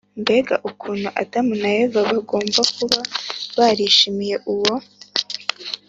mbega ukuntu adamu na eva bagomba kuba barishimiye uwo